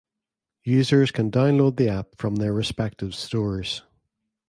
Users can download the App from their respective stores.